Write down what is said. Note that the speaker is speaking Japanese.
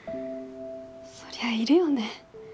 そりゃいるよね